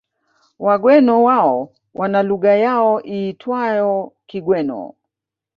Wagweno wao wana lugha yao iitwayo Kigweno